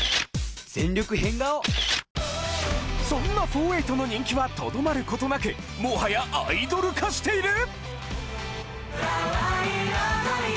全力変顔そんなフォーエイト４８の人気はとどまることなくもはやアイドル化している！？